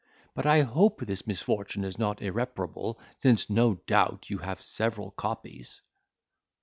But I hope the misfortune is not irreparable, since, no doubt, you have several copies."